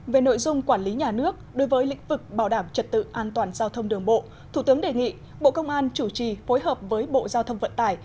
về nội dung quản lý nhà nước đối với lĩnh vực bảo đảm trật tự an toàn giao thông đường bộ thủ tướng đề nghị bộ công an chủ trì phối hợp với bộ giao thông vận tải